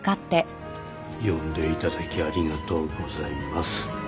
呼んでいただきありがとうございます。